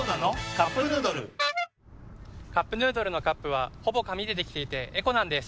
「カップヌードル」「カップヌードル」のカップはほぼ紙でできていてエコなんです。